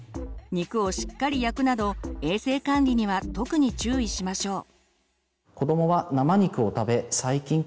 肉をしっかり焼くなど衛生管理には特に注意しましょう。